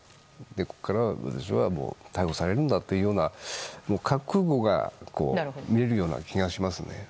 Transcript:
ここからは私は逮捕されるんだという覚悟が見られるような気がしますね。